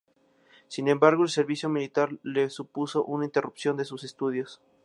Sin embargo, el servicio militar le supuso una interrupción de sus estudios.